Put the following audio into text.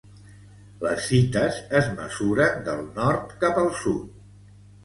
Les fites es mesuren del nord cap al sud.